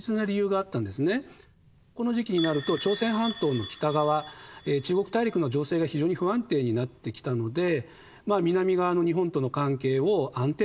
この時期になると朝鮮半島の北側中国大陸の情勢が非常に不安定になってきたので南側の日本との関係を安定させておきたいというふうに考えた。